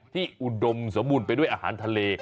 อุดมสมบูรณ์ไปด้วยอาหารทะเล